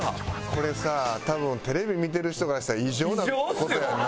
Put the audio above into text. これさ多分テレビ見てる人からしたら異常な事やんな？